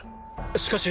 しかし！